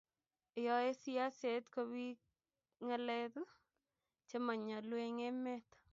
yoe siaset kobiiy ngalek chemanyalu eng emet